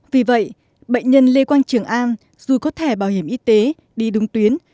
vì vậy bệnh nhân lê quang trường am dù có thẻ bảo hiểm y tế đi đúng tuyến